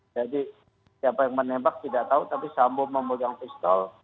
jadi siapa yang menembak tidak tahu tapi sambo memegang pistol